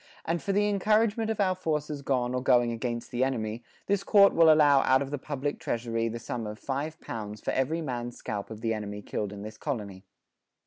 [45:2] ... And for the incouragement of our forces gone or going against the enemy, this Court will allow out of the publick treasurie the su[=m]e of five pounds for every mans scalp of the enemy killed in this Colonie."